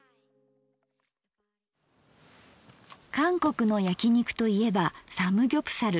韓国のやき肉といえばサムギョプサル。